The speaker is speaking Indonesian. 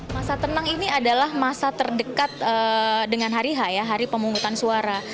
masa tenang ini adalah masa terdekat dengan hari h ya hari pemungutan suara